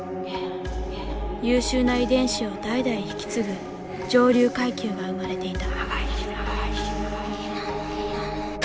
優秀な遺伝子を代々引き継ぐ上流階級が生まれていた。